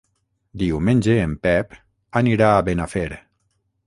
Diumenge en Pep anirà a Benafer.